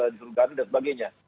di surga dan sebagainya